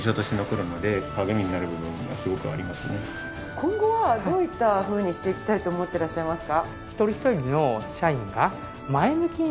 今後はどういったふうにしていきたいと思ってらっしゃいますか？